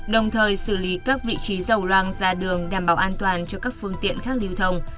đồng thời xử lý các vị trí dầu loang ra đường đảm bảo an toàn cho các phương tiện khác lưu thông